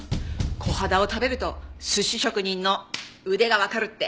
コハダを食べると寿司職人の腕がわかるって。